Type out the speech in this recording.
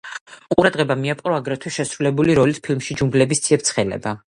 ყურადღება მიიპყრო აგრეთვე შესრულებული როლით ფილმში „ჯუნგლების ციებ-ცხელება“.